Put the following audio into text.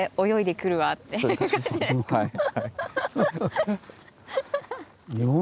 はい。